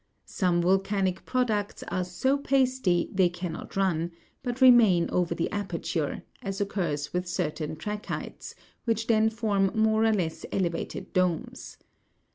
Some volcanic products are so pasty they cannot run, but remain over the aperture, as occurs with certain trachytes, which then form more or less elevated domes.